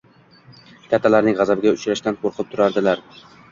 kattalarning g‘azabiga uchrashdan qo‘rqib turadilar.